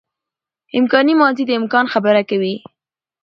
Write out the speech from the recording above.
امکاني ماضي د امکان خبره کوي.